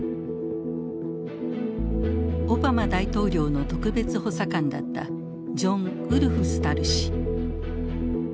オバマ大統領の特別補佐官だったジョン・ウルフスタル氏。